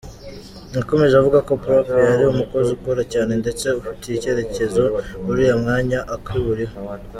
Yakomeje avuga ko Prof. yari umukozi ukora cyane ndetse ufitiye icyerecyezo uriya mwanya akiwuriho.